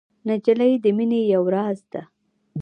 نجلۍ د مینې یو راز ده.